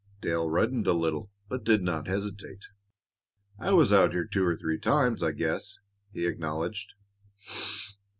Dale reddened a little, but did not hesitate. "I was out here two or three times, I guess," he acknowledged.